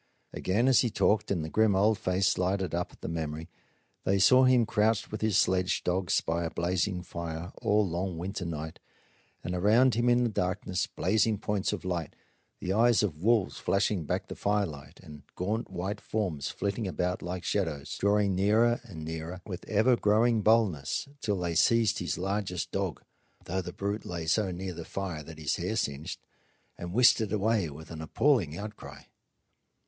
Again, as he talked and the grim old face lighted up at the memory, they saw him crouched with his sledge dogs by a blazing fire all the long winter night, and around him in the darkness blazing points of light, the eyes of wolves flashing back the firelight, and gaunt white forms flitting about like shadows, drawing nearer and nearer with ever growing boldness till they seized his largest dog though the brute lay so near the fire that his hair singed and whisked it away with an appalling outcry.